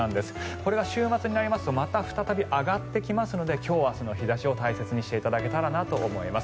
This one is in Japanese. これが週末になりますとまた再び上がってきますので今日は日差しを大切にしていただけたらなと思います。